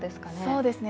そうですね。